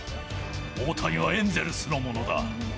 大谷はエンゼルスのものだ。